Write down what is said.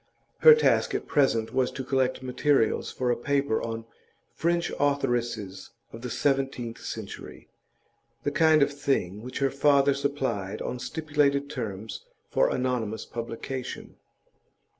Her task at present was to collect materials for a paper on 'French Authoresses of the Seventeenth Century,' the kind of thing which her father supplied on stipulated terms for anonymous publication.